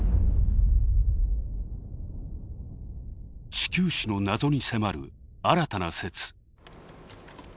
地球史の謎に迫る新たな説。